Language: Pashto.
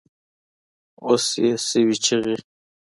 اوس يې سوي چيـغي